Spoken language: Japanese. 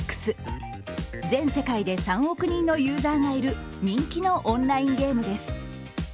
全世界で３億人のユーザーがいる人気のオンラインゲームです。